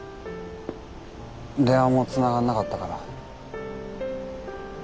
電話もつながんなかったから。